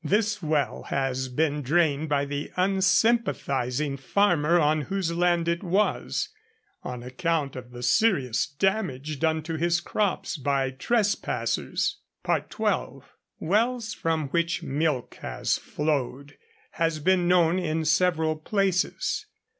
This well has been drained by the unsympathizing farmer on whose land it was, on account of the serious damage done to his crops by trespassers. XII. Wells from which milk has flowed have been known in several places.